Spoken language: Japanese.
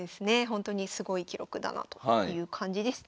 ほんとにすごい記録だなという感じです。